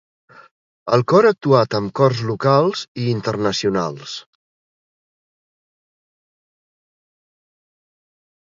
El cor ha actuat amb cors locals i internacionals.